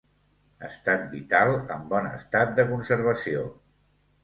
Estat vital: en bon estat de conservació.